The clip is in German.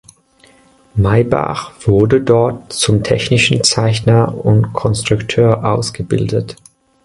Maybach wurde dort zum technischen Zeichner und Konstrukteur ausgebildet.